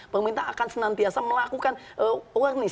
pemerintah akan senantiasa melakukan